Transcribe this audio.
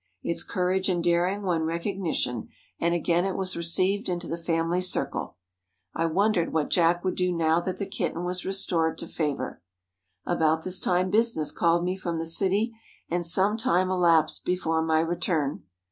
Its courage and daring won recognition, and again it was received into the family circle. I wondered what Jack would do now that the kitten was restored to favor. About this time business called me from the city, and some time elapsed before my return.